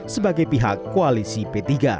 sebagai pihak koalisi p tiga